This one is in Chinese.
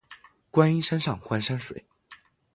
观音山上观山水